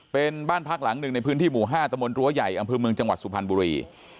เป็นบ้านพักหลังหนึ่งในพื้นที่หมู่๕ตะมนตรั้วใหญ่อำเภอเมืองจังหวัดสุพรรณบุรี